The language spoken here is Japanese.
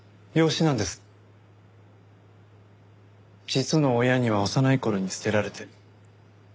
実の親には幼い頃に捨てられて。